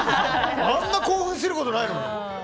あんな興奮することないのに。